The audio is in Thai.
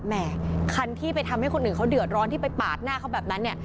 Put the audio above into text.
แห่คันที่ไปทำให้คนอื่นเขาเดือดร้อนที่ไปปาดหน้าเขาแบบนั้นเนี่ย